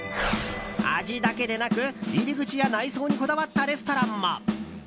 味だけでなく入り口や内装にこだわったレストランも。